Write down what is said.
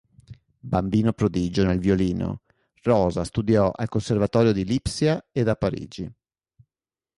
Bambino prodigio nel violino, Rosa studiò al Conservatorio di Lipsia ed a Parigi.